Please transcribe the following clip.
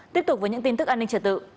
tiếp tục với những tin tức an ninh trật tự